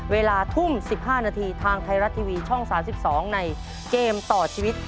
เวลาทุ่ม๑๕นาทีทางไทยรัฐทีวีช่อง๓๒ในเกมต่อชีวิต